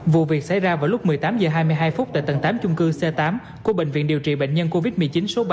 vụ việc xảy ra vào lúc một mươi tám h hai mươi hai phút tại tầng tám chung cư c tám của bệnh viện điều trị bệnh nhân covid một mươi chín số ba